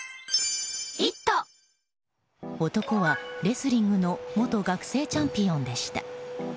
男はレスリングの元学生チャンピオンでした。